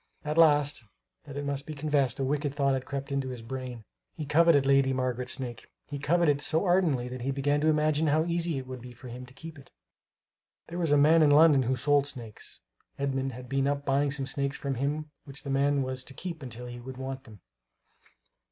Alas, that it must be confessed, a wicked thought had crept into his brain. He coveted Lady Margaret's snake. He coveted it so ardently that he began to imagine how easy it would be for him to keep it. There was a man in London who sold snakes. Edmund had been up buying some snakes from him which the man was to keep until he should want them.